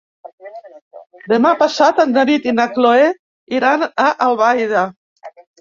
Demà passat en David i na Cloè iran a Albaida.